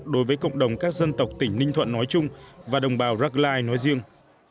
đối với cộng đồng các dân tộc tỉnh ninh thuận nói chung và đồng bào rackline nói riêng